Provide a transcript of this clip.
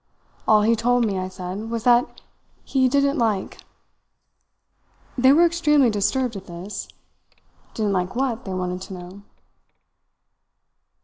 All he told me, I said, was that he 'didn't like'. "They were extremely disturbed at this. Didn't like what, they wanted to know.